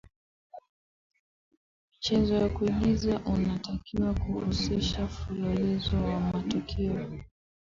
michezo ya kuigiza unatakiwa kuhusisha mfululizo wa matukio